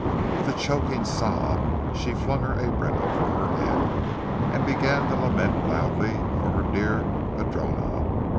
With a choking sob, she flung her apron over her head, and began to lament loudly for her dear padrona.